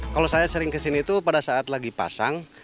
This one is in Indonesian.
kalau saya sering kesini itu pada saat lagi pasang